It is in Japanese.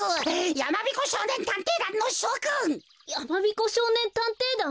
やまびこしょうねんたんていだん？